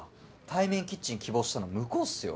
対面キッチン希望したの向こうっすよ？